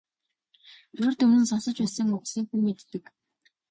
Урьд өмнө нь сонсож байсан үгсээ хүн мэддэг.